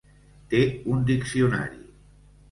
Té un diccionari.